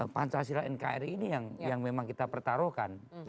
pancasila nkri ini yang memang kita pertaruhkan